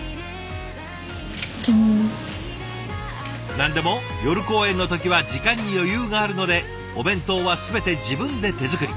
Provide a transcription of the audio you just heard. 何でも夜公演の時は時間に余裕があるのでお弁当は全て自分で手作り。